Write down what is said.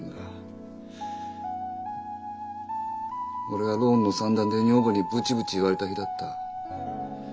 俺がローンの算段で女房にブチブチ言われた日だった。